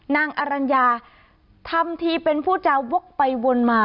นางอรัญญาทำทีเป็นผู้จาวกไปวนมา